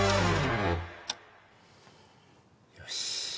よし。